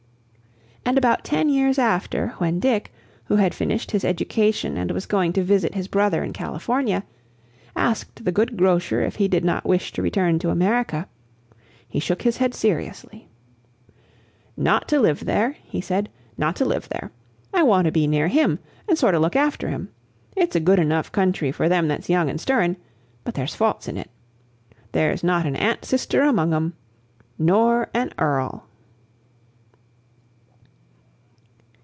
And about ten years after, when Dick, who had finished his education and was going to visit his brother in California, asked the good grocer if he did not wish to return to America, he shook his head seriously. "Not to live there," he said. "Not to live there; I want to be near HIM, an' sort o' look after him. It's a good enough country for them that's young an' stirrin' but there's faults in it. There's not an auntsister among 'em nor an earl!"